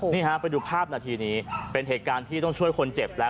นี่ฮะไปดูภาพนาทีนี้เป็นเหตุการณ์ที่ต้องช่วยคนเจ็บแล้ว